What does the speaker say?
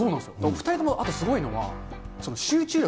２人ともあとすごいのは、集中力。